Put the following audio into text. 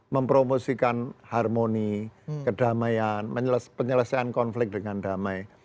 mempromosikan harmoni kedamaian penyelesaian konflik dengan damai